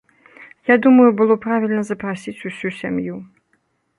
Я думаю, было правільна запрасіць усю сям'ю.